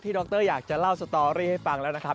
ดรอยากจะเล่าสตอรี่ให้ฟังแล้วนะครับ